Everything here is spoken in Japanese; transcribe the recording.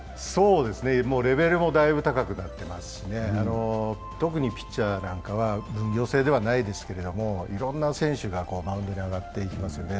もうレベルだいぶ高くなってますしね、特にピッチャーなんかは分業制ではないですけれども、いろんな選手がマウンドに上がっていきますよね。